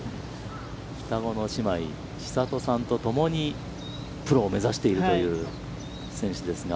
双子の姉妹、ちさとさんと共にプロを目指しているという選手ですが。